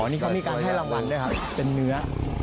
นี่เขามีการให้รางวัลด้วยครับเป็นเนื้อ